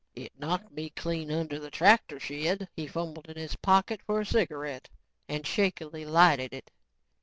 It knocked me clean under the tractor shed." He fumbled in his pocket for a cigarette and shakily lighted it.